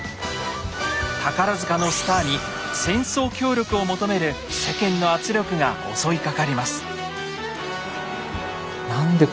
宝のスターに戦争協力を求める世間の圧力が襲いかかります。